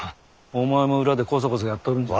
お前も裏でこそこそやっとるんじゃろ？